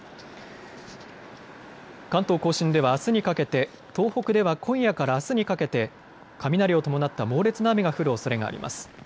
関東甲信ではあすにかけて東北では今夜からあすにかけて雷を伴った猛烈な雨が降るおそれがあります。